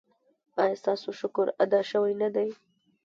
ایا ستاسو شکر ادا شوی نه دی؟